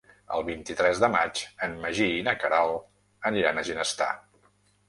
El vint-i-tres de maig en Magí i na Queralt aniran a Ginestar.